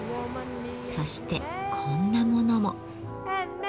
そしてこんなものも。